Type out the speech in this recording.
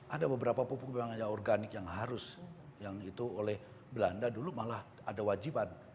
ada beberapa pupuk organik yang harus yang itu oleh belanda dulu malah ada wajiban